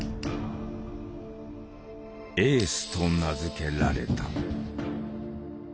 「エース」と名付けられた。